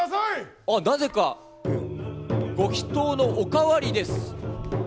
ああ、なぜか、ご祈とうのお代わりです。